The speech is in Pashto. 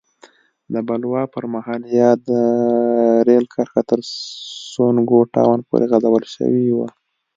د بلوا پر مهال یاده رېل کرښه تر سونګو ټاون پورې غځول شوې وه.